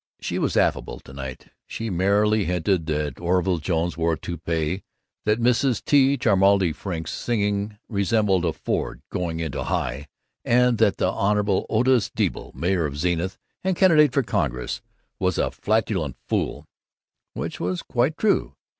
She was affable to night. She merely hinted that Orville Jones wore a toupé, that Mrs. T. Cholmondeley Frink's singing resembled a Ford going into high, and that the Hon. Otis Deeble, mayor of Zenith and candidate for Congress, was a flatulent fool (which was quite true).